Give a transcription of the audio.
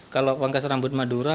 kalau pangkas rambut madura